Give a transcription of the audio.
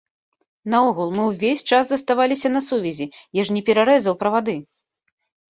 Наогул, мы ўвесь час заставаліся на сувязі, я ж не перарэзаў правады!